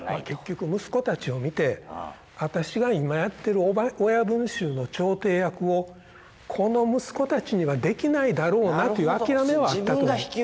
結局息子たちを見て私が今やってる親分衆の調停役をこの息子たちにはできないだろうなという諦めはあったと思います。